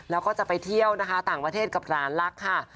แล้วก็จะไปเที่ยวนะคะต่างประเทศกับหลานรักค่ะ